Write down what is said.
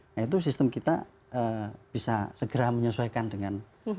nah itu sistem kita bisa segera menyesuaikan dengan